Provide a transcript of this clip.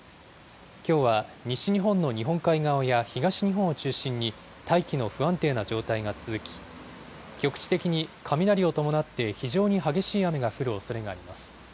きょうは西日本の日本海側や東日本を中心に大気の不安定な状態が続き、局地的に雷を伴って非常に激しい雨が降るおそれがあります。